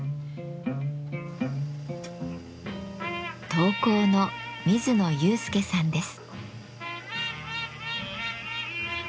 陶工の水野雄介さんです。